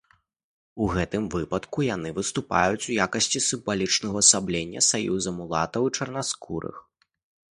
У гэтым выпадку яны выступаюць у якасці сімвалічнага ўвасаблення саюза мулатаў і чарнаскурых.